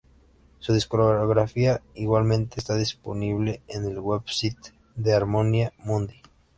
Su discografía igualmente está disponible en el website de Harmonia Mundi.